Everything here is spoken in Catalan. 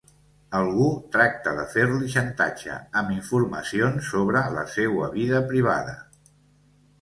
Algú tracta de fer-li xantatge amb informacions sobre la seua vida privada.